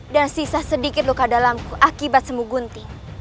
dan sisa sedikit luka dalamku akibat semu gunting